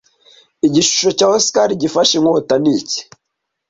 Igishusho cya Oscar gifashe Inkota ni iki